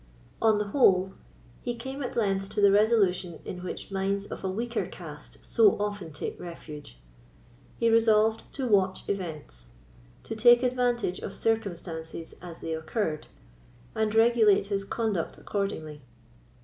On the whole, he came at length to the resolution in which minds of a weaker cast so often take refuge. He resolved to watch events, to take advantage of circumstances as they occurred, and regulate his conduct accordingly.